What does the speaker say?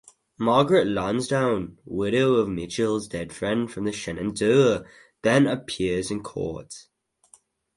Margaret Lansdowne, widow of Mitchell's dead friend from the "Shenandoah", then appears in court.